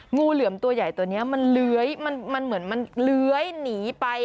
งูเหลือมตัวใหญ่ตัวนี้มันเหมือนเหลือยหนีไป